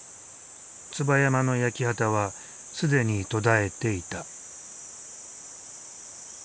椿山の焼き畑は既に途絶えていた。